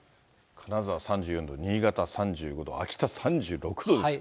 金沢３４度、新潟３５度、秋田３６度ですから。